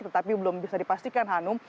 tetapi belum bisa dipastikan hanum